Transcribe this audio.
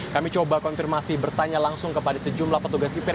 kami coba konfirmasi bertanya langsung kepada sejumlah petugas sipir